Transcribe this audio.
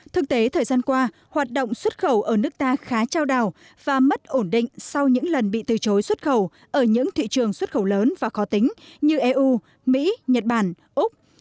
thực tế thời gian qua hoạt động xuất khẩu ở nước ta khá trao đảo và mất ổn định sau những lần bị từ chối xuất khẩu ở những thị trường xuất khẩu lớn và khó tính như eu mỹ nhật bản úc